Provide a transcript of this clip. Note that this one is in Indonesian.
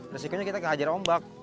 resikonya kita kehajar rombak